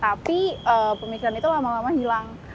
tapi pemikiran itu lama lama hilang